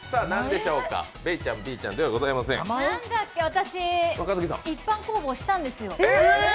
私、一般公募したんですよ。